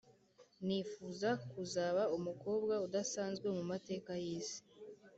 Nifuza kuzaba umukobwa udasanzwe mu mateka y’isi